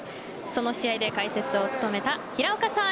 その試合で解説を務めた平岡さん